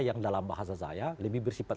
yang dalam bahasa saya lebih bersifat